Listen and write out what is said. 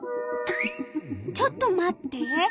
ちょっと待って！